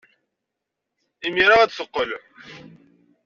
Imir-a ad d-teqqel.